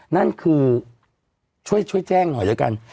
นั่นคือช่วยแจ้งหน่อยแล้วกัน